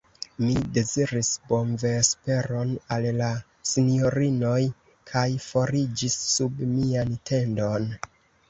Mi deziris bonvesperon al la sinjorinoj, kaj foriĝis sub mian tendon.